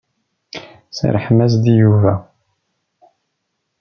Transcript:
Serrḥem-as-d i Yuba.